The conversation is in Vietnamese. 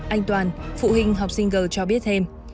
anh toàn phụ huynh học sinh g cho biết thêm